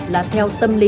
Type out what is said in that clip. là theo tâm lý